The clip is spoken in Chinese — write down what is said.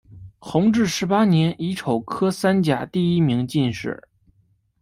弘治十八年乙丑科三甲第一名进士。